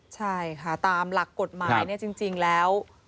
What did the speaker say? ใช่ค่ะตามหลักกฎหมายเนี่ยจริงแล้ว